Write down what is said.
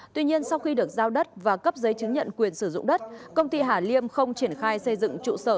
tuy nhiên sau khi được giao đất và cấp giấy chứng nhận quyền sử dụng đất công ty hà liêm không triển khai xây dựng trụ sở